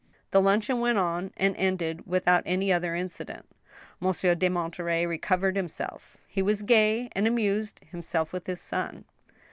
The luncheon went on and ended without any other incident. Monsieur de Monterey recovered himself ; he was gay, and amused himself with his son.